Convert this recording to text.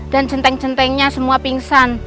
centeng centengnya semua pingsan